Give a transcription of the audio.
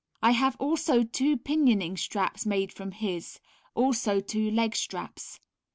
I have also two Pinioning straps made from his, also two leg straps.